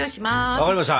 分かりました！